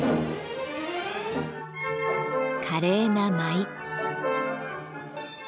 華麗な舞い。